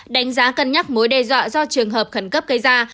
đánh giá cân nhắc mối đe dọa do trường hợp khẩn cấp gây ra